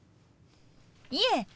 いえ